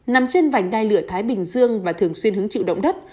nằm trên vành đai lửa thái bình dương và thường xuyên hứng chịu động đất